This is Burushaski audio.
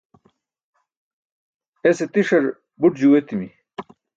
ese tiṣar buṭ juu etimi